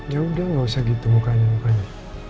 ya udah gak usah gitu mukanya mukanya